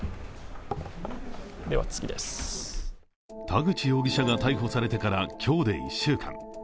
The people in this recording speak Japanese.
田口容疑者が逮捕されてから、今日で１週間。